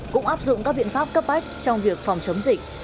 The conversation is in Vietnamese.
cũng áp dụng các biện pháp cấp bách trong việc phòng chống dịch